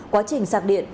quá trình sạc điện